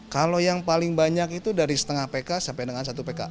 kalau yang paling banyak itu dari setengah pk sampai dengan satu pk